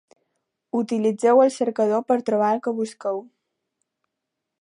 Utilitzeu el cercador per trobar el que busqueu.